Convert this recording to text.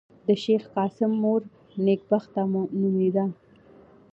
د شېخ قاسم مور نېکبخته نومېده.